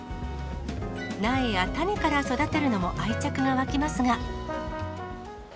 苗や種から育てるのも愛着が湧きますが。